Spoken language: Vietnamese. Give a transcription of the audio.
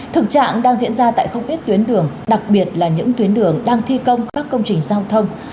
thực trạng đang diễn ra tại không ít tuyến đường đặc biệt là những tuyến đường đang thi công các công trình giao thông